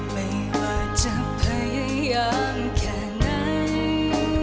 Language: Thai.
ไม่ว่าจะพยายามแค่ไหน